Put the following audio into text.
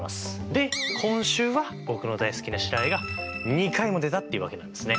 で今週は僕の大好きな白あえが２回も出たっていうわけなんですね。